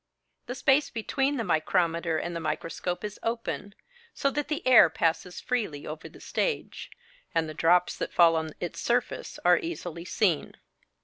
The space between the micrometer and the microscope is open, so that the air passes freely over the stage; and the drops that fall on its surface are easily seen.